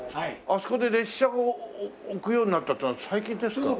あそこで列車を置くようになったっていうのは最近ですか？